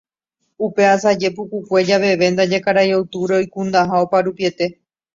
Upe asaje pukukue javeve ndaje Karai Octubre oikundaha oparupiete